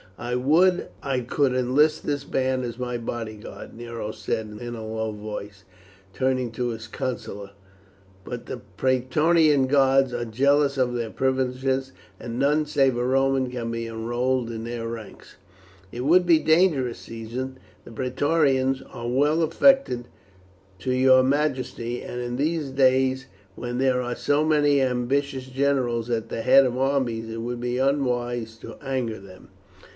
"I would I could enlist this band as my bodyguard," Nero said in a low voice, turning to his councillor, "but the praetorian guards are jealous of their privileges, and none save a Roman can be enrolled in their ranks." "It would be dangerous, Caesar; the praetorians are well affected to your majesty, and in these days when there are so many ambitious generals at the head of armies it would be unwise to anger them."